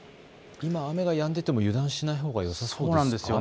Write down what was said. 今、雨がやんでいても油断しないほうがいいんですかね。